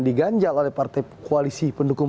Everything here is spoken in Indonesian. diganjal oleh partai koalisi pendukung